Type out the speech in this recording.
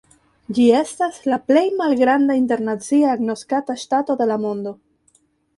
Ĝi estas la plej malgranda internacie agnoskata ŝtato de la mondo.